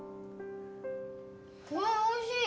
うわあおいしい！